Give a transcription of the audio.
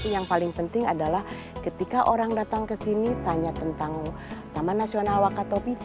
yang paling penting adalah ketika orang datang kesini tanya tentang taman nasional wakatopi